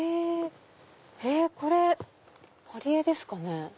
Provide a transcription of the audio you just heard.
これ貼り絵ですかね？